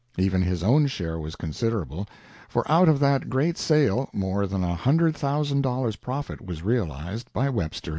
Even his own share was considerable, for out of that great sale more than a hundred thousand dollars' profit was realized by Webster & Co.